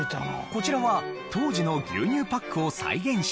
こちらは当時の牛乳パックを再現したもの。